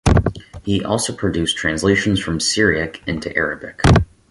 He also produced translations from Syriac into Arabic.